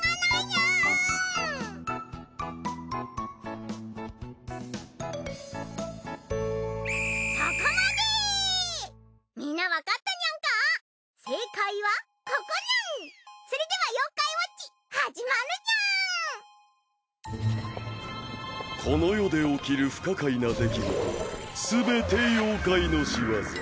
ウィスパー：この世で起きる不可解な出来事はすべて妖怪のしわざ。